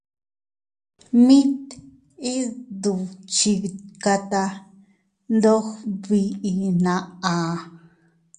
Mit iyduchikata ndog biʼi na.